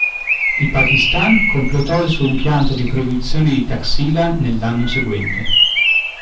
Il Pakistan completò il suo impianto di produzione di Taxila nell'anno seguente.